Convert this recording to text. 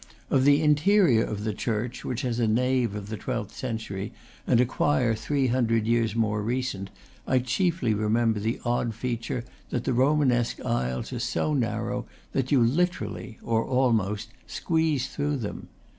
Of the in terior of the church, which has a nave of the twelfth century, and a choir three hundred years more recent, I chiefly remember the odd feature that the Romanesque aisles are so narrow that you literally or almost squeeze through them.